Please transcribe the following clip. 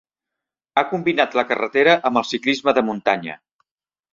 Ha combinat la carrereta amb el ciclisme de muntanya.